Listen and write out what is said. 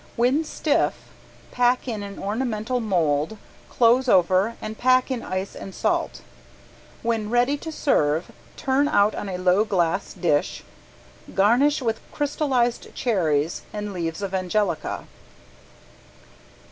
When stiff pack in an ornamental mold, close over and pack in ice and salt. When ready to serve turn out on a low glass dish, garnish with crystallized cherries and leaves of angelica.